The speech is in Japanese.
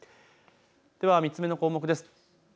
では３つ目の項目です。